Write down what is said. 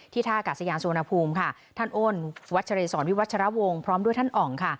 ที่ท่าอากาศยานสุวรรณภูมิค่ะท่านโอนวัดเจรสรวิวัดชะระวงพร้อมด้วยท่านอ่อห์งค่ะ